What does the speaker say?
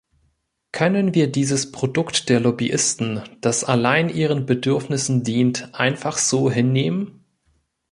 Können wir dieses Produkt der Lobbyisten, das allein ihren Bedürfnissen dient, einfach so hinnehmen?